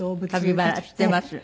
カピバラ知ってます。